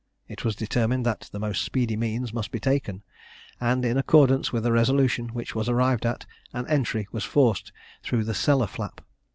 It was determined that the most speedy means must be taken; and, in accordance with a resolution which was arrived at, an entry was forced through the cellar flap.